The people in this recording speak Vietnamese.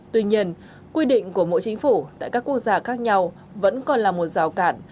tuy nhiên quy định của mỗi chính phủ tại các quốc gia khác nhau vẫn còn là một rào cản